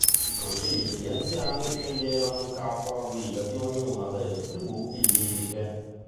I consigli degli anziani sceglievano un capo a guida di ognuna delle tribù illiriche.